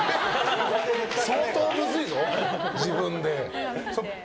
相当むずいぞ、自分で。